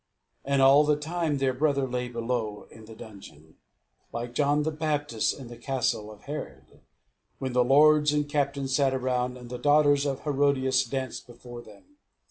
And all the time their brother lay below in the dungeon, like John the Baptist in the castle of Herod, when the lords and captains sat around, and the daughter of Herodias danced before them.